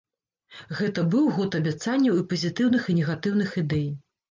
Гэта быў год абяцанняў і пазітыўных і негатыўных ідэй.